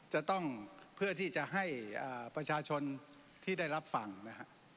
จะต้องเพื่อที่จะให้ประชาชนที่ได้รับฟังนะฮะ